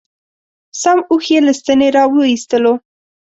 سم اوښ یې له ستنې را و ایستلو.